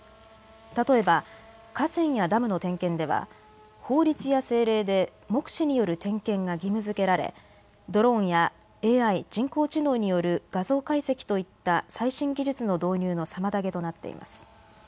例えば河川やダムの点検では法律や政令で目視による点検が義務づけられドローンやＡＩ・人工知能による画像解析といった最新技術の導入の妨げとなっています。